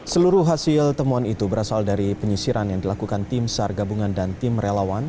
seluruh hasil temuan itu berasal dari penyisiran yang dilakukan tim sar gabungan dan tim relawan